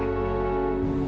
aku ingin menjaga diri kamu